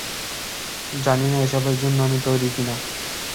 জানি না এসবের জন্য আমি তৈরি কিনা।